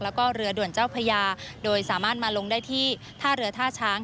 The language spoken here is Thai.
แล้วก็เรือด่วนเจ้าพญาโดยสามารถมาลงได้ที่ท่าเรือท่าช้าง